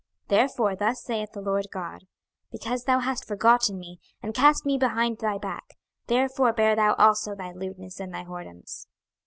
26:023:035 Therefore thus saith the Lord GOD; Because thou hast forgotten me, and cast me behind thy back, therefore bear thou also thy lewdness and thy whoredoms.